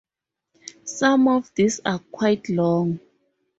Some of these are quite long.